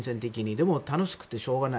でも楽しくてしょうがない。